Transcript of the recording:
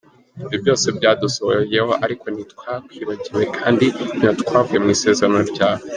Ibyo byose byadusohoyeho ariko ntitwakwibagiwe, Kandi ntitwavuye mu isezerano ryawe.